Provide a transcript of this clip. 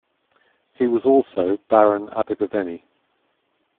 He was also Baron Abergavenny.